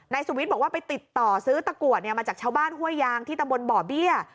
สุวิทย์บอกว่าไปติดต่อซื้อตะกรวดมาจากชาวบ้านห้วยยางที่ตำบลบ่อเบี้ย